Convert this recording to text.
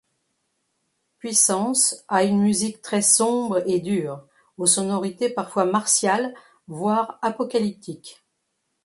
Puissance a une musique très sombre et dure, aux sonorités parfois martiales voire apocalyptiques.